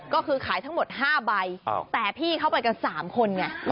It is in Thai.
ก็คือขายทั้งหมด๕ใบแต่พี่เข้าไปกัน๓คนไง